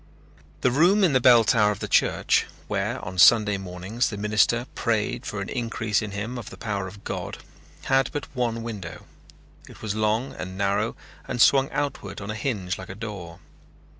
The room in the bell tower of the church, where on Sunday mornings the minister prayed for an increase in him of the power of God, had but one window. It was long and narrow and swung outward on a hinge like a door.